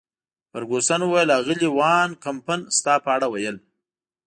فرګوسن وویل: اغلې وان کمپن ستا په اړه ویل.